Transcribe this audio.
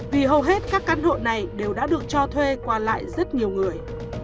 vì hầu hết các căn hộ này đều đã được cho thuê qua lại rất nhiều người